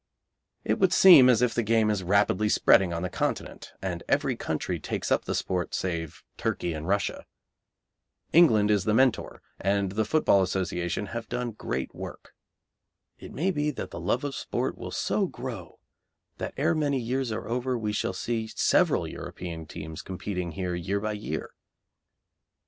It would seem as if the game is rapidly spreading on the Continent, and every country takes up the sport save Turkey and Russia. England is the mentor, and the Football Association have a great work. It may be that the love of sport will so grow that ere many years are over we shall see several European teams competing here year by year.